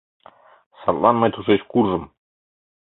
Садлан мый тушеч куржым.